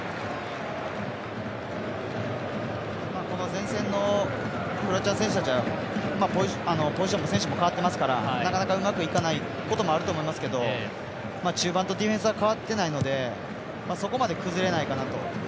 前線のクロアチア選手たちはポジションも選手も変わってますからなかなかうまくいかないこともあると思いますけど中盤とディフェンスは変わってないのでそこまで崩れないかなと。